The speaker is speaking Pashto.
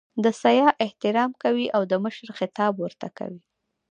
د سیاح احترام کوي او د مشر خطاب ورته کوي.